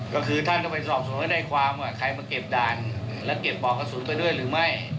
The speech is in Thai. ก็คือท่านต้องไปสอบสวนให้ในความว่าใครมาเก็บด่านแล้วเก็บปอกกระสุนไปด้วยหรือไม่